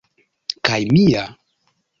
kaj mia